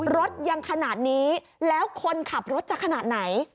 รถยังขนาดนี้แล้วคนขับรถจะขนาดไหน